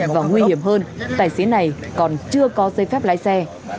và nguy hiểm hơn tài xế này còn chưa có giấy phép lái xe